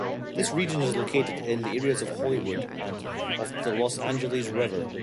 This region is located in the areas of Hollywood and of the Los Angeles River.